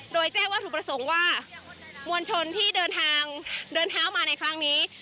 โดยแจ้งวัตถุประสงค์ว่ามวลชนที่เดินทางเดินเท้ามาในครั้งนี้